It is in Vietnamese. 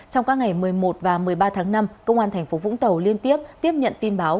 trong các ngày một mươi một và một mươi ba tháng năm công an thành phố vũng tàu liên tiếp tiếp nhận tin báo